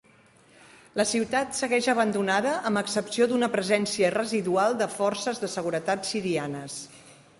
La ciutat segueix abandonada, amb excepció d'una presència residual de forces de seguretat sirianes.